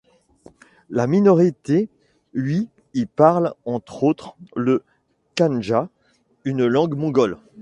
La minorité hui y parle entre autres le Kangjia, une langue mongole.